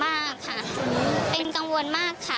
มากค่ะเป็นกังวลมากค่ะ